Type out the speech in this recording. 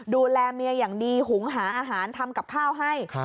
ดูแลเมียอย่างดีหุงหาอาหารทำกับข้าวให้